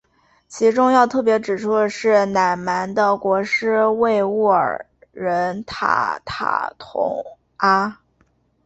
其中要特别指出的是乃蛮的国师畏兀儿人塔塔统阿。